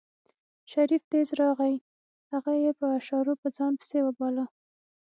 شريف تېز راغی هغه يې په اشارو په ځان پسې وباله.